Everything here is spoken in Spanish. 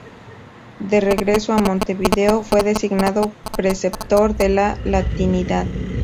De regreso a Montevideo, fue designado preceptor de latinidad.